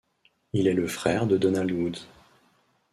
Il est le frère de Donald Woods.